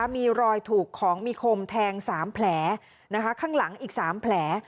มีรอยถูกของมีคมแทง๓แผลข้างหลังอีก๓แผล